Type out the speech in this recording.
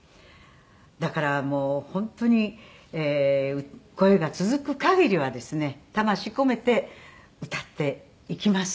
だからもう本当に声が続く限りはですね魂込めて歌っていきます。